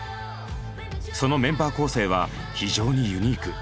そのメンバー構成は非常にユニーク。